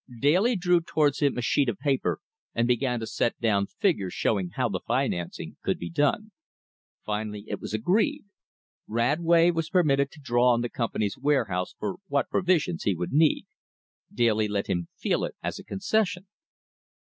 Daly drew towards him a sheet of paper and began to set down figures showing how the financing could be done. Finally it was agreed. Radway was permitted to draw on the Company's warehouse for what provisions he would need. Daly let him feel it as a concession.